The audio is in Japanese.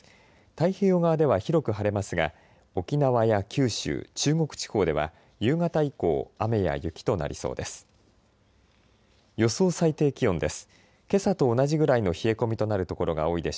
太平洋側では広く晴れますが沖縄や九州、中国地方では夕方以降雨や雪となりそうです。